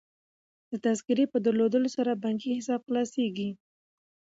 د تذکرې په درلودلو سره بانکي حساب خلاصیږي.